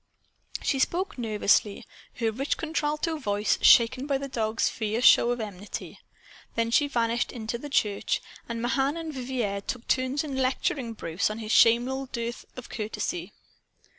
She spoke nervously, her rich contralto voice shaken by the dog's fierce show of enmity. Then she vanished into the church; and Mahan and Vivier took turns in lecturing Bruce on his shameful dearth of courtesy.